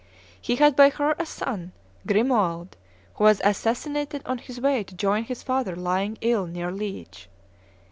He had by her a son, Grimoald, who was assassinated on his way to join his father lying ill near Liege.